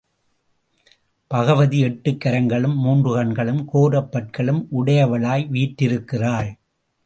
பகவதி எட்டுக் கரங்களும், மூன்று கண்களும், கோரப் பற்களும் உடையவளாய் வீற்றிருக்கிறாள்.